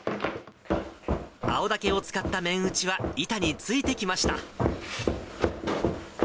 青竹を使った麺打ちは板についてきました。